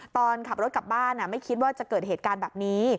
ตอนขับรถกลับบ้านไม่คิดว่าจะเกิดเหตุการณ์แบบนี้